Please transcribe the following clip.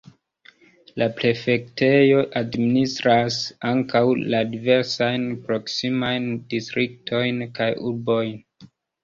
La prefektejo administras ankaŭ la diversajn proksimajn distriktojn kaj urbojn.